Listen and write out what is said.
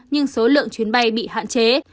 nhưng số lượng chuyến bay bị hạn chế